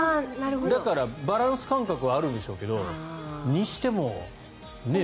だから、バランス感覚はあるんでしょうけどそれにしても、ねえ？